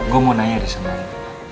gue mau nanya deh sama kamu